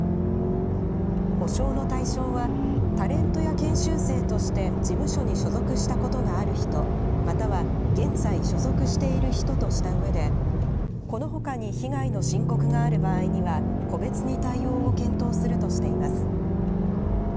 補償の対象はタレントや研修生として事務所に所属したことがある人、または現在所属している人としたうえで、このほかに被害の申告がある場合には、個別に対応を検討するとしています。